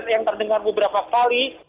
yang terdengar beberapa kali